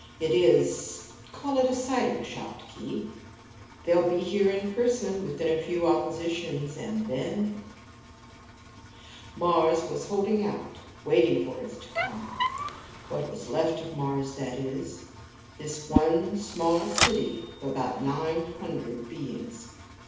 It is call it a sighting shot, Khee. They'll be here in person within a few oppositions. And then " Mars was holding out, waiting for Earth to come. What was left of Mars, that is; this one small city of about nine hundred beings.